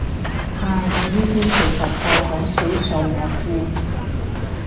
唉，我依啲其實到好少數我知